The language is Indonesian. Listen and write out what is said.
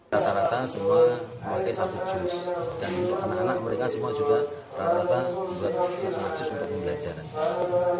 rata rata semua memakai satu juz dan anak anak mereka juga rata rata membuat satu juz untuk pembelajaran